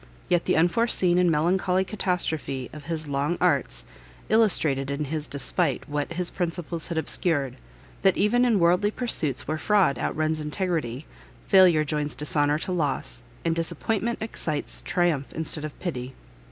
Yet the unforeseen and melancholy catastrophe of his long arts, illustrated in his despite what his principles had obscured, that even in worldly pursuits where fraud out runs integrity, failure joins dishonour to loss, and disappointment excites triumph instead of pity.